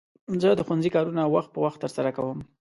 زه د ښوونځي کارونه وخت په وخت ترسره کوم.